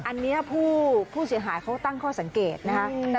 อันนี้ผู้เสียหายเขาตั้งข้อสังเกตนะคะ